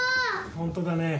本当だね。